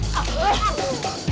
kalau gitu bagus